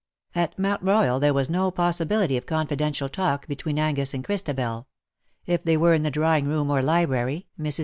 At Mount Royal there was no possibility of confidential talk between Angus and Christabel. If thcv were in the drawing room or library, i\Irs.